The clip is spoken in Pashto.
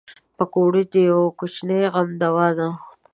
پکورې د یوه کوچني غم دوا ده